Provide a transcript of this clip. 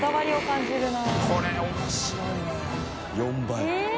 ４倍。